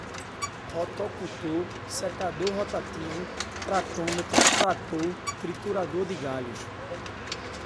rotocultor, secador rotativo, tratometro, trator, triturador de galhos